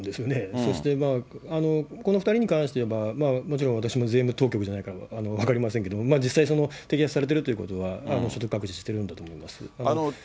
そしてこの２人に関していえば、もちろん私も税務当局じゃないから分かりませんけども、実際、摘発されているということは、所得隠ししてるんだと思います。